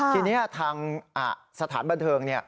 ทีนี้ทางสถานบันเทิง